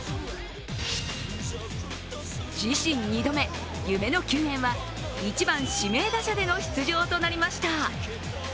自身２度目、夢の球宴は１番・指名打者での出場となりました。